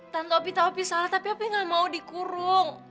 tante opi tau opi salah tapi opi gak mau dikurung